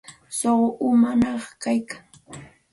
Suqu umañaq kayka.